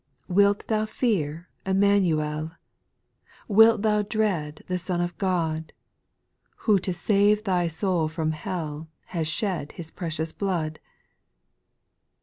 Wilt thou fear Immanucl ? Wilt thou dread the Son of God, Who to save thy soul from hell. Has shed His precious blood